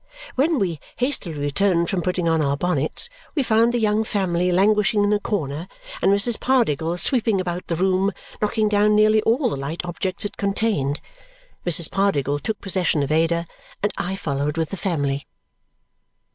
When we hastily returned from putting on our bonnets, we found the young family languishing in a corner and Mrs. Pardiggle sweeping about the room, knocking down nearly all the light objects it contained. Mrs. Pardiggle took possession of Ada, and I followed with the family.